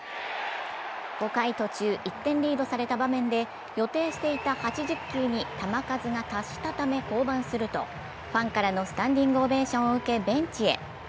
５回途中、１点リードされた場面で予定していた８０球に球数が達したため降板するとファンからのスタンディングオベーションを受け、ベンチへ。